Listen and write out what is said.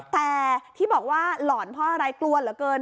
แต่ที่บอกว่าหลอนเพราะอะไรกลัวเหลือเกิน